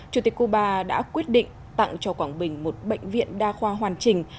chủ tịch cuba đã quyết định tặng cho quảng bình một bệnh viện đa khoa hoàn chỉnh